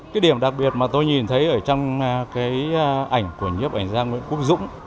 cái điểm đặc biệt mà tôi nhìn thấy ở trong cái ảnh của nhiếp ảnh gia nguyễn quốc dũng